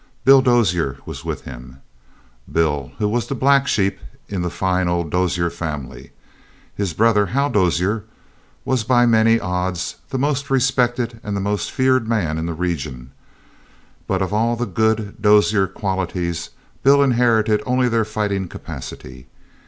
Bill Dozier was with him, Bill who was the black sheep in the fine old Dozier family. His brother, Hal Dozier, was by many odds the most respected and the most feared man in the region, but of all the good Dozier qualities Bill inherited only their fighting capacity.